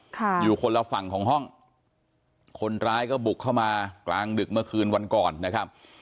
ค่ะอยู่คนละฝั่งของห้องคนร้ายก็บุกเข้ามากลางดึกเมื่อคืนวันก่อนนะครับ